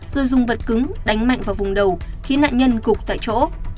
rồi dùng vật cứng đánh mạnh vào vùng đầu khiến nạn nhân gục tại chỗ